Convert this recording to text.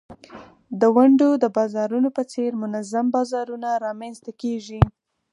د ونډو د بازارونو په څېر منظم بازارونه رامینځته کیږي.